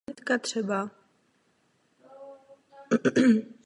Poté je Henrich vyloučen ze skupiny.